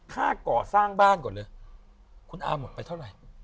ค่าก่อสร้างบ้านก่อนเลยคุณอาหมดไปเท่าไหร่